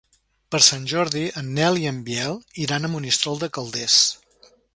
Per Sant Jordi en Nel i en Biel iran a Monistrol de Calders.